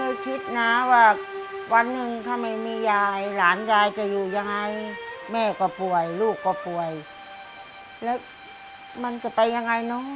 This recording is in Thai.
ก็คิดนะว่าวันหนึ่งถ้าไม่มียายหลานยายจะอยู่ยังไงแม่ก็ป่วยลูกก็ป่วยแล้วมันจะไปยังไงเนอะ